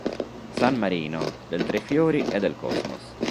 San Marino, del Tre Fiori e del Cosmos.